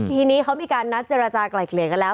ทีนี้เขามีการนัดเจรจากลายเกลี่ยกันแล้ว